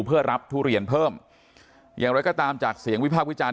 เพื่อรับทุเรียนเพิ่มอย่างไรก็ตามจากเสียงวิพากษ์วิจารณ